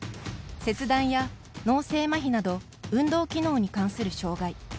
切断や脳性まひなど運動機能に関する障がい。